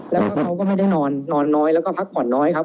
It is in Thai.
แล้วก็เขาก็ไม่ได้นอนนอนน้อยแล้วก็พักผ่อนน้อยครับ